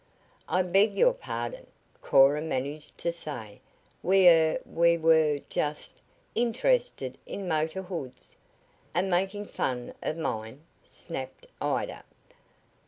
"I beg your pardon," Cora managed to say, "We er we were just interested in motor hoods." "And making fun of mine!" snapped Ida.